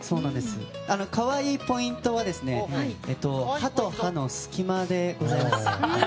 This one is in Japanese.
可愛いポイントは歯と歯の隙間でございます。